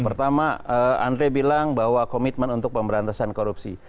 pertama andre bilang bahwa komitmen untuk pemberantasan korupsi